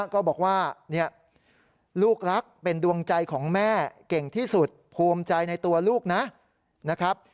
ก็บอกว่าลูกรักเป็นดวงใจของแม่เก่งที่สุดภูมิใจในตัวลูกนะครับ